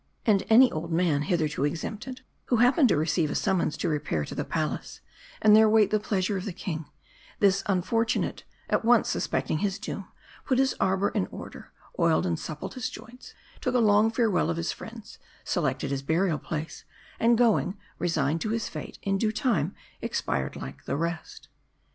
And any old man hitherto exempted, who happened to receive a summons to repair to the palace,, and there wait the pleas ure of the king : this unfortunate, at once suspecting his doom, put his arbor in order ; oiled and suppled his joints ; took a long farewell of his friends ; selected his burial place ; and going resigned to his fate, in due time expired like the rest.